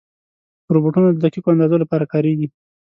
روبوټونه د دقیقو اندازو لپاره کارېږي.